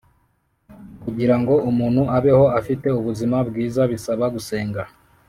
Kugirango umuntu abeho afite ubuzima bwiza bisaba gusenga